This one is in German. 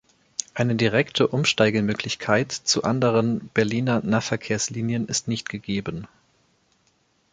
Eine direkte Umsteigemöglichkeit zu anderen Berliner Nahverkehrslinien ist nicht gegeben.